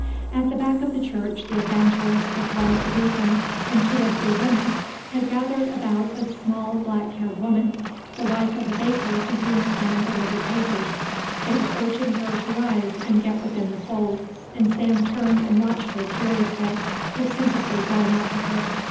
At the back of the church the evangelist with one of the deacons and two or three women had gathered about a small, black haired woman, the wife of a baker to whom Sam delivered papers. They were urging her to rise and get within the fold, and Sam turned and watched her curiously, his sympathy going out to her.